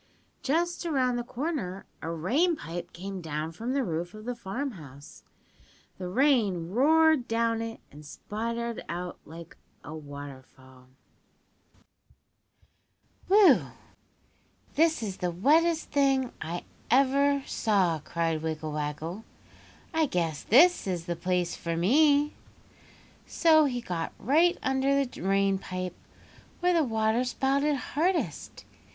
"Just around the corner a rain pipe came down from the roof of the farmhouse. The rain roared down it and spouted out like a waterfall. [Illustration: Out from under the bank swam old Mrs. Muskrat] "'Whew! This is the wettest thing I ever saw!' cried Wiggle Waggle. 'I guess this is the place for me!' "So he got right under the rain pipe where the water spouted hardest.